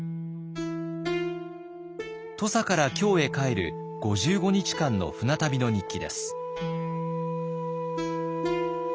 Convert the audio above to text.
土佐から京へ帰る５５日間の船旅の日記です。